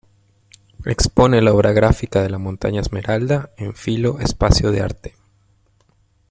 Expone la obra gráfica de "La Montaña Esmeralda" en "Filo" Espacio de Arte.